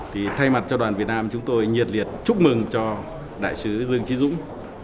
thì thay mặt cho đoàn việt nam chúng tôi nhiệt liệt chúc mừng cho đại sứ dương trí dũng